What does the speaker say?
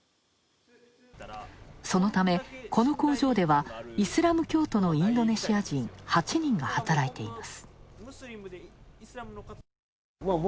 そのため、この工場ではイスラム教徒のインドネシア人８人が働いています。